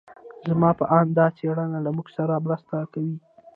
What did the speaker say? زما په اند دا څېړنه له موږ سره مرسته کوي.